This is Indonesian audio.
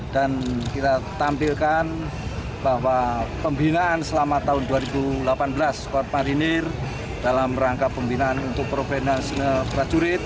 dan kita tampilkan bahwa pembinaan selama tahun dua ribu delapan belas korps marinir dalam rangka pembinaan untuk provinsi nasional prajurit